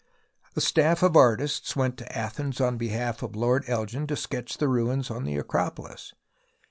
A staff of artists went to Athens on behalf of Lord Elgin to sketch the ruins on the Acropolis.